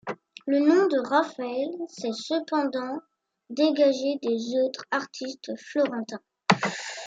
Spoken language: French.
Le nom de Raphaël s'est cependant dégagé des autres artistes florentins.